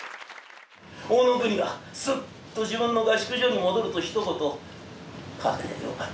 大乃国はすっと自分の合宿所に戻るとひと言「かくでよかった」。